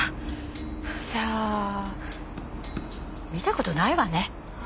さあ見た事ないわね。